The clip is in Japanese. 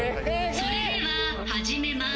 それでは始めます。